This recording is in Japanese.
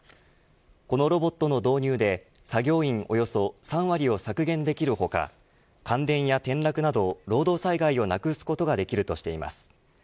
このロボットの導入で作業員およそ３割を削減できる他感電や転落など労働災害をなくすことができるとしています。